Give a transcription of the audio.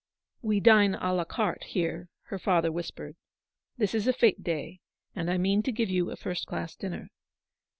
" We dine a la carte here," her father whis pered: "this is a fete day, and I mean to give you a first class dinner."